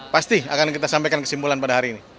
pasti akan kita sampaikan kesimpulan pada hari ini